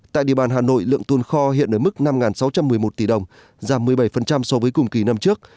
tại địa bàn hà nội lượng tồn kho hiện ở mức năm sáu trăm một mươi một tỷ đồng giảm một mươi bảy so với cùng kỳ năm trước